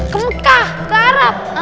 ke mekah ke arab